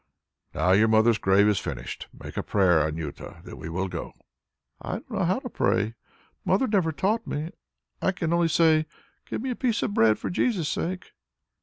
"Now your mother's grave is finished. Make a prayer, Anjuta; then we will go." "I don't know how to pray; mother never taught me. I can only say, 'Give me a piece of bread for Jesus' sake.'"